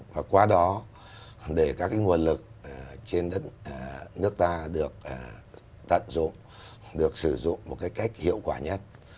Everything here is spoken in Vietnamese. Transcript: và qua đó để các nguồn lực trên đất nước ta được tận dụng được sử dụng một cách hiệu quả nhất